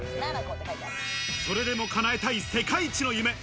それでも叶えたい世界一の夢。